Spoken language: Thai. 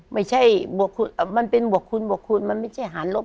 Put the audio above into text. ไม่ใช่บวกคูณมันเป็นบวกคูณมันไม่ใช่หารลบ